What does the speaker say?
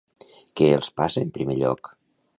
Què els passa en primer lloc?